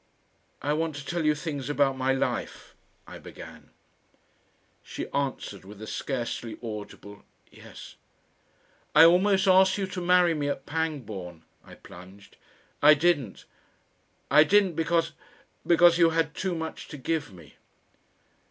"I want to tell you things about my life," I began. She answered with a scarcely audible "yes." "I almost asked you to marry me at Pangbourne," I plunged. "I didn't. I didn't because because you had too much to give me."